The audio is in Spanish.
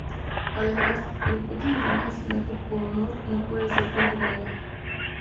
Además, la hipótesis de un asesinato por honor no pudo ser confirmada.